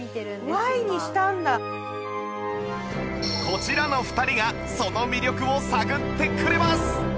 こちらの２人がその魅力を探ってくれます！